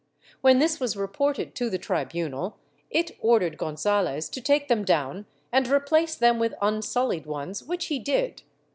When this was reported to the tribunal it ordered Gonzalez to take them down and replace them with unsullied ones, which he did.